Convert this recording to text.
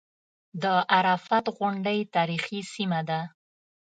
د عرفات غونډۍ تاریخي سیمه ده.